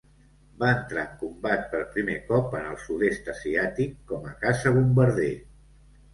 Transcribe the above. Va entrar en combat per primer cop en el Sud-est Asiàtic com a caça bombarder.